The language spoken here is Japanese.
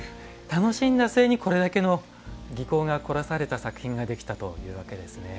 楽しんだ末にこれだけの技巧が凝らされた作品ができたということですね。